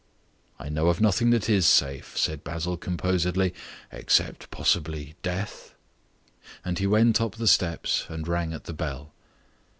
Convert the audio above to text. "I know of nothing that is safe," said Basil composedly, "except, possibly death," and he went up the steps and rang at the bell.